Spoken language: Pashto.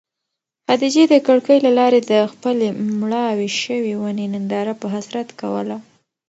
خدیجې د کړکۍ له لارې د خپلې مړاوې شوې ونې ننداره په حسرت کوله.